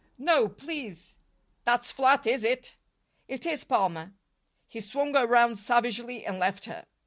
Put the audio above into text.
"No, please." "That's flat, is it?" "It is, Palmer." He swung around savagely and left her.